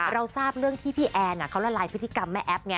เราทราบเรื่องที่พี่แอนเขาละลายพฤติกรรมแม่แอ๊บไง